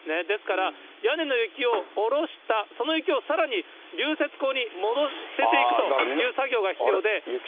ですから、屋根の雪をおろした、その雪をさらに流雪溝に捨てていくという作業が必要で。